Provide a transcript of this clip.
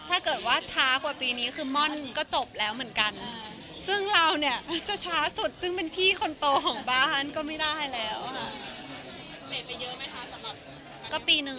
ถ้าเกิดว่าช้ากว่าปีนี้คือมอลก็จบแล้วเหมือนกัน